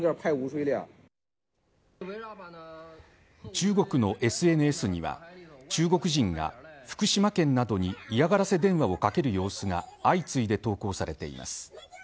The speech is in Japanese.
中国のＳＮＳには中国人が福島県などに嫌がらせ電話をかける様子が相次いで投稿されています。